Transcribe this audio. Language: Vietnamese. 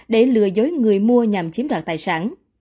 để lừa dối người mua nhằm chiếm đoạt tài sản